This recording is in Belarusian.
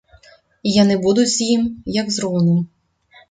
І яны будуць з ім, як з роўным.